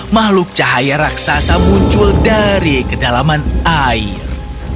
makhluk cahaya raksasa muncul dari kedalaman air